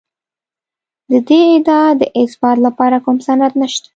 د دې ادعا د اثبات لپاره کوم سند نشته